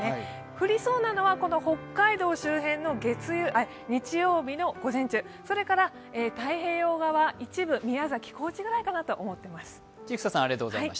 降りそうなのは北海道周辺の日曜日の午前中それから太平洋側一部、宮崎、高知ぐらいかなと思っています。